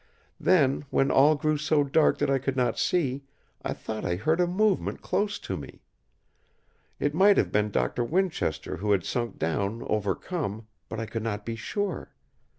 Then, when all grew so dark that I could not see, I thought I heard a movement close to me. It might have been Doctor Winchester who had sunk down overcome; but I could not be sure.